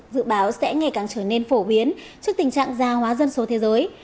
dự báo sẽ ngày càng trở nên phổ biến trước tình trạng gia hóa dân số thế giới